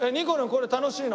これ楽しいの？